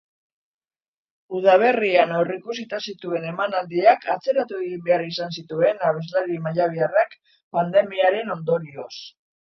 Udaberrian aurreikusita zituen emanaldiak atzeratu egin behar izan zituen abeslari mallabiarrak pandemiaren ondorioz.